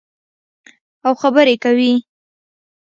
او خبرې کوي.